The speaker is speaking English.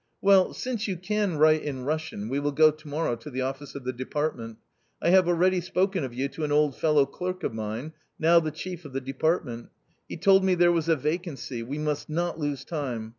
Well, since you can write in Russian, we will go to morrow to the office of the department; I have already spoken of you to an old fellow clerk of mine, now the chief of the department ; he told me there was a vacancy ; we must not lose time.